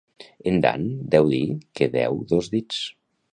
En Dan deu dir que deu dos dits.